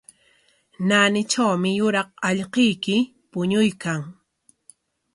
Naanitrawmi yuraq allquyki puñuykan.